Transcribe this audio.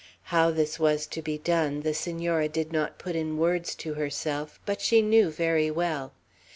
How this was to be done, the Senora did not put in words to herself, but she knew very well.